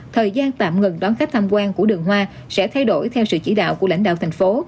thời gian tạm ngừng đón khách tham quan của đường hoa sẽ thay đổi theo sự chỉ đạo của lãnh đạo thành phố